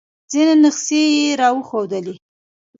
ځینې نسخې یې را وښودلې.